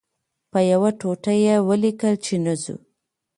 په یوه ټوټو یې ولیکل چې نه ځو.